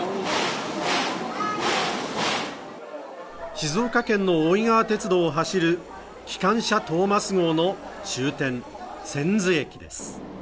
静岡県の大井川鉄道を走るきかんしゃトーマス号の終点、千頭駅です。